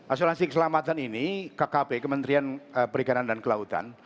asuransi keselamatan ini kkp kementerian perikanan dan kelautan